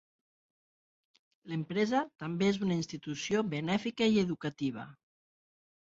L'empresa també és una institució benèfica i educativa.